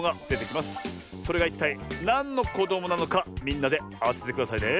それがいったいなんのこどもなのかみんなであててくださいね。